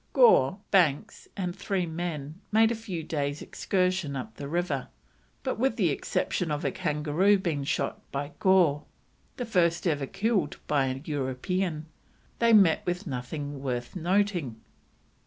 Gore, Banks, and three men made a few days' excursion up the river, but, with the exception of a kangaroo being shot by Gore, the first ever killed by a European, they met with nothing worth noting.